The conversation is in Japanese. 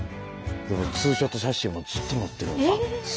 ツーショット写真をずっと持ってるんです。